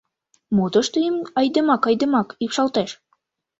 — Мо тыште айдемак-айдемак ӱпшалтеш?